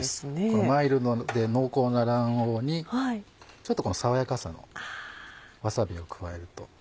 このマイルドで濃厚な卵黄にちょっとこの爽やかさのわさびを加えると。